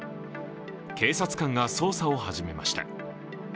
警察官が捜査を始めました。